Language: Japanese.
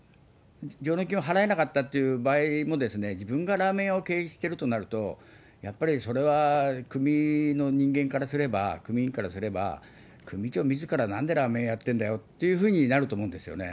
上納金を払えなかったっていう場合も、自分がラーメン屋を経営してるとなると、やっぱりそれは組の人間からすれば、組員からすれば、組長みずからなんでラーメン屋やってんだよっていうふうになると思うんですよね。